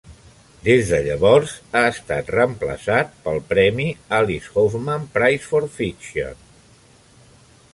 Des de llavors ha estat reemplaçat pel premi Alice Hoffman Prize for Fiction.